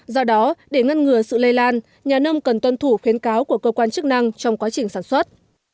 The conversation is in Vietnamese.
do đó để ngăn ngừa sự lây lan nhà nông cần tuân thủ khuyến cáo của cơ quan chức năng trong quá trình sản xuất